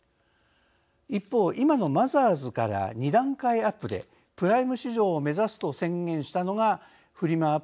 一方、今のマザーズから２段階アップでプライム市場を目指すと宣言したのがフリマ